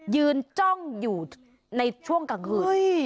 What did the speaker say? จ้องอยู่ในช่วงกลางคืน